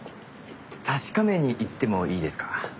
確かめに行ってもいいですか？